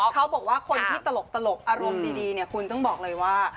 เขาบอกว่าคนที่ตลกอารมณ์ดีเนี่ยคุณต้องบอกเลยว่า